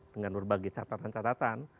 dengan berbagai catatan catatan